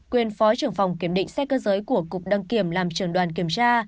quyền phó trưởng phòng kiểm định xét cơ giới của cục đăng kiểm làm trường đoàn kiểm tra